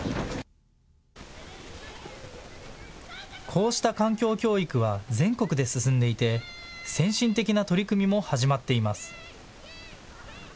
こうした環境教育は全国で進んでいて、先進的な取り組みも始まっています。